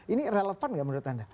ini relevan nggak menurut anda